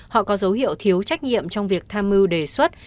họ có dấu hiệu thiếu trách nhiệm trong việc tham mưu đề xuất